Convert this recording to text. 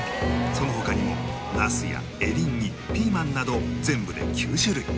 その他にもナスやエリンギピーマンなど全部で９種類